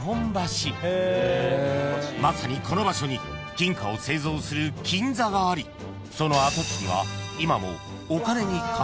［まさにこの場所に金貨を製造する金座がありその跡地には今も］